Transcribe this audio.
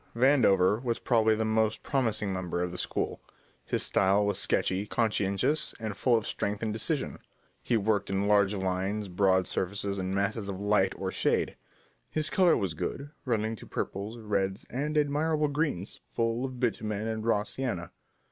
Vandover was probably the most promising member of the school. His style was sketchy, conscientious, and full of strength and decision. He worked in large lines, broad surfaces and masses of light or shade. His colour was good, running to purples, reds, and admirable greens, full of bitumen and raw sienna.